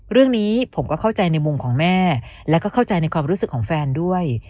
เรื่องนี้ผมก็เข้าใจในมุมของแม่แล้วก็เข้าใจในความรู้สึกของแฟนด้วย